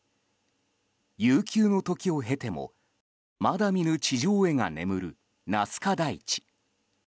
悠久の時を経てもまだ見ぬ地上絵が眠るナスカ台地。